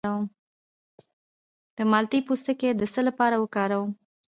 د مالټې پوستکی د څه لپاره وکاروم؟